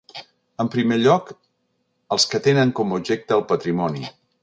En primer lloc, els que tenen com a objecte el patrimoni.